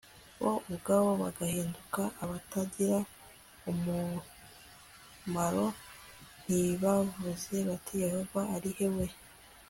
bo ubwabo bagahinduka abatagira umumaro v Ntibavuze bati Yehova ari he we